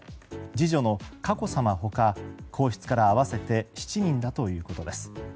次女の佳子さま他皇室から合わせて７人だということです。